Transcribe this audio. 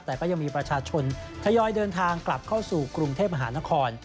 แต่ก็ยังมีประชาชนทยอยเดินทางกลับเข้าสู่กรุงเทพมหานคร